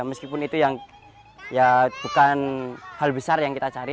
meskipun itu yang ya bukan hal besar yang kita cari